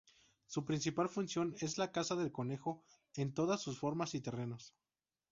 Su principal función es la caza del conejo en todas sus formas y terrenos.